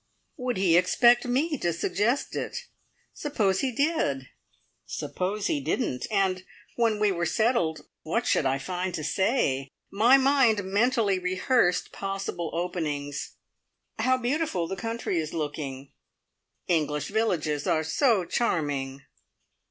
Would he expect me to suggest it? Suppose he did? Suppose he didn't? And when we were settled, what should I find to say? My mind mentally rehearsed possible openings. "How beautiful the country is looking." "English villages are so charming."